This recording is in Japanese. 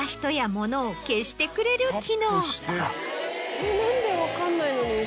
えっ何で分かんないのに後ろ。